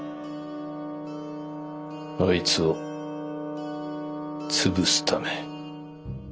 あいつを潰すため。